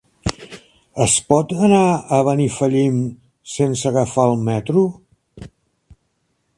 Es pot anar a Benifallim sense agafar el metro?